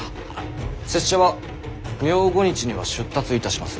拙者は明後日には出立いたします。